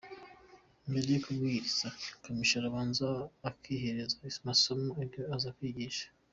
Mbere yo kubwiriza Kamichi arabanza akiherera agasoma ibyo aza kwigisha.